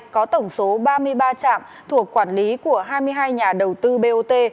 có tổng số ba mươi ba trạm thuộc quản lý của hai mươi hai nhà đầu tư bot